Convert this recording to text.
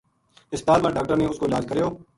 ہسپتال ما ڈاکٹراں نے اس کو علاج کریو